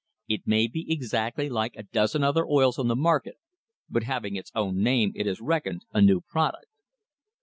It may be exactly like a dozen other oils on the market, but having its own name it is reckoned a new product.